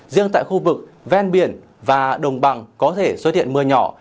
riêng tại khu vực ven biển và đồng bằng có thể xuất hiện mưa nhỏ